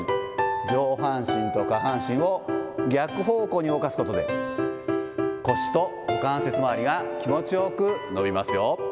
上半身と下半身を逆方向に動かすことで、腰と股関節周りが気持ちよく伸びますよ。